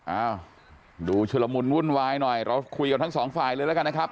อ้าวดูชุลมุนวุ่นวายหน่อยเราคุยกับทั้งสองฝ่ายเลยแล้วกันนะครับ